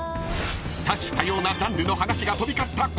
［多種多様なジャンルの話が飛び交った今回］